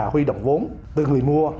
huy động vốn từ người mua